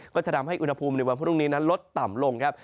ก็จะทำให้อุณหภูมิในวันพรุ่งนี้นั้นลดต่ำลงครับ